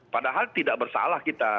padahal tidak bersalah kita